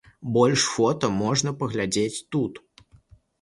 Больш фота можна паглядзець тут.